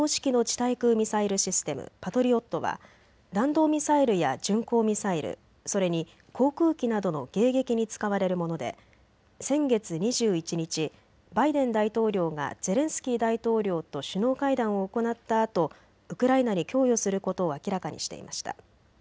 対空ミサイルシステム、パトリオットは弾道ミサイルや巡航ミサイル、それに航空機などの迎撃に使われるもので先月２１日、バイデン大統領がゼレンスキー大統領と首脳会談を行ったあとウクライナに供与することを明らかにしていました。